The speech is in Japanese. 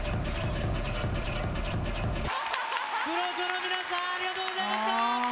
ＫＵＲＯＫＯ の皆さんありがとうございました！